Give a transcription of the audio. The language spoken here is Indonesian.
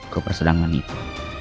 ke persidangan itu